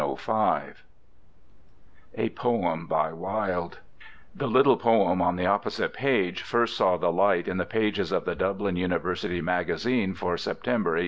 [The little poem on the opposite page first saw the light in the pages of the Dublin University Magazine for September, 1876.